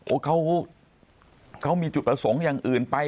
เขามีจุดประสงค์อย่างอื่นไป